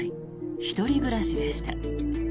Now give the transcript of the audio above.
１人暮らしでした。